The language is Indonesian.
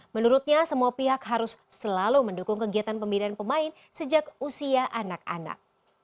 menurutnya semua pihak harus selalu mendukung kegiatan pembinaan pemain sejak usia anak anak